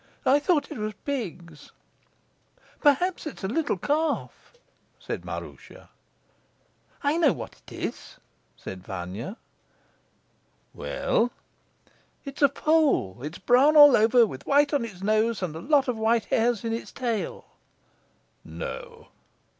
"I thought it was pigs." "Perhaps it is a little calf," said Maroosia. "I know what it is," said Vanya. "Well?" "It's a foal. It's brown all over with white on its nose, and a lot of white hairs in its tail." "No."